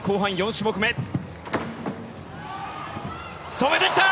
止めたきた！